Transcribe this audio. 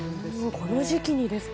この時期にですか。